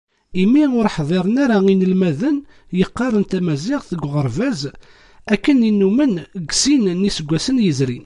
Imi ur ḥḍiren ara yinelmaden yeqqaren Tamaziɣt deg uɣerbaz akken i nnumen deg sin n yiseggasen yezrin.